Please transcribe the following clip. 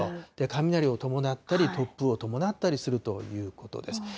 雷を伴ったり、突風を伴ったりするということです。